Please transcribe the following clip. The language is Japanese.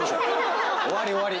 終わり終わり。